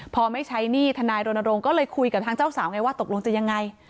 พอไม่ใช้หนี้ทนายรณรงค์ก็เลยคุยกับทางเจ้าสาวไงว่าตกลงจะยังไง